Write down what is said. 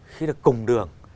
khi đã cùng đường